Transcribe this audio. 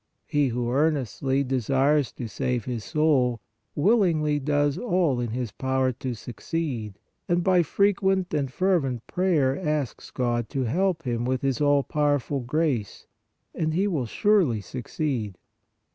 He who earnestly desires to save his soul, willingly does all in his power to suc ceed, and by frequent and fervent prayer asks God to help him with His all powerful grace, and he will surely succeed.